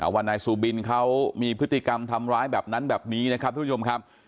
ว่านายซูบินเขามีพฤติกรรมทำร้ายแบบนั้นแบบนี้นะครับทุกผู้ชมครับ